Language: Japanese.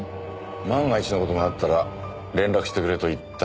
万が一の事があったら連絡してくれと言ったはずだが？